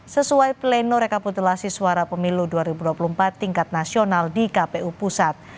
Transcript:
sesuai pleno rekapitulasi suara pemilu dua ribu dua puluh empat tingkat nasional di kpu pusat